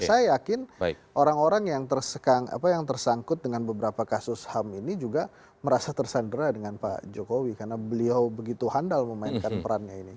saya yakin orang orang yang tersangkut dengan beberapa kasus ham ini juga merasa tersandera dengan pak jokowi karena beliau begitu handal memainkan perannya ini